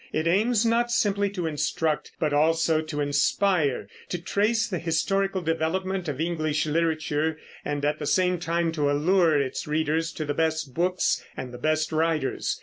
It aims not simply to instruct but also to inspire; to trace the historical development of English literature, and at the same time to allure its readers to the best books and the best writers.